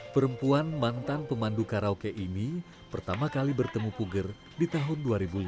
perempuan mantan pemandu karaoke ini pertama kali bertemu puger di tahun dua ribu lima